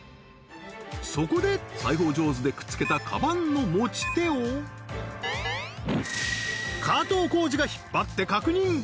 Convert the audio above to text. そこで裁ほう上手でくっつけたカバンの持ち手を加藤浩次が引っ張って確認！